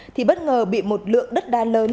thì bất ngờ bị một lượng đất đá lớn